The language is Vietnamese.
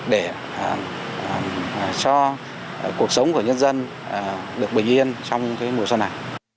để cho cuộc sống của nhân dân được bình yên trong mùa xuân này